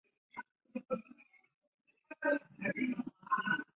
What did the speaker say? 他也代表法国青年国家足球队参赛。